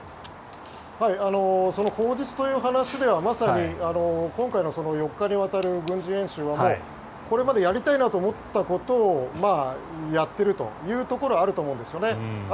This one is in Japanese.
口実という話ではまさに今回の４日にわたる軍事演習はこれまでやりたいなと思ったことをやっているというところはあると思うんですよね。